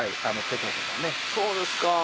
そうですか。